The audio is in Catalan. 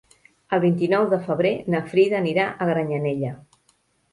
El vint-i-nou de febrer na Frida anirà a Granyanella.